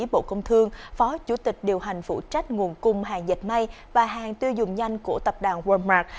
bộ công thương phó chủ tịch điều hành phụ trách nguồn cung hàng dịch may và hàng tiêu dùng nhanh của tập đoàn walmart